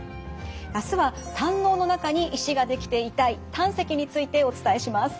明日は胆のうの中に石ができて痛い胆石についてお伝えします。